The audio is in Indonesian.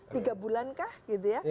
tiga bulankah gitu ya